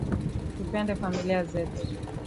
Tupende familia zetu